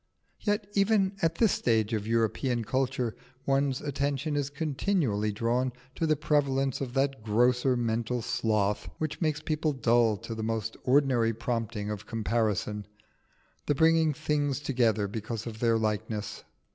Yet even at this stage of European culture one's attention is continually drawn to the prevalence of that grosser mental sloth which makes people dull to the most ordinary prompting of comparison the bringing things together because of their likeness.